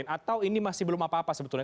atau ini masih belum apa apa sebetulnya